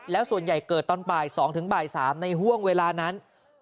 แล้วส่วนใหญ่เกิดตอนบ่าย๒ถึงบ่าย๓ในห่วงเวลานั้น